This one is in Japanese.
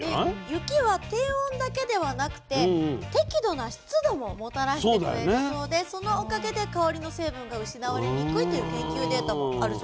雪は低温だけではなくて適度な湿度ももたらしてくれるそうでそのおかげで香りの成分が失われにくいという研究データもあるそうです。